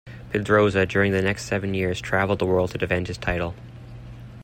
Pedroza, during the next seven years, traveled the world to defend his title.